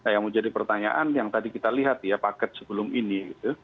yang menjadi pertanyaan yang tadi kita lihat ya paket sebelum ini